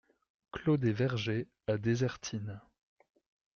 Clos des Vergers à Désertines